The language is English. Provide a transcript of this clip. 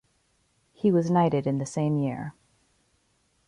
He was knighted in the same year.